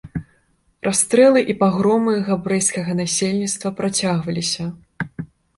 Расстрэлы і пагромы габрэйскага насельніцтва працягваліся.